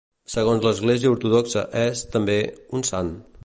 Segons l'església ortodoxa és, també, un sant.